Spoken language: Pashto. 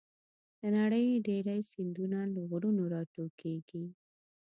د نړۍ ډېری سیندونه له غرونو راټوکېږي.